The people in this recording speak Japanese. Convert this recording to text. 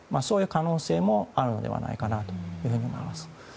そういう可能性もあるのではないかなと思います。